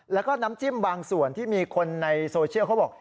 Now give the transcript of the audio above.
แล้วก็น้ำจิ้มบางส่วนที่มีคนในโซเชียลเขาบอก